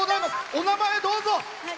お名前、どうぞ。